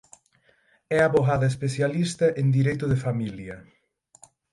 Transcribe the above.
É avogada especialista en dereito de familia.